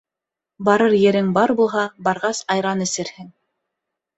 Барыр ерең бар булһа, барғас айран эсерһең